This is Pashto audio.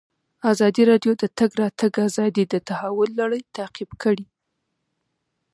ازادي راډیو د د تګ راتګ ازادي د تحول لړۍ تعقیب کړې.